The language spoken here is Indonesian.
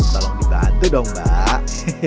tolong dibantu dong mbak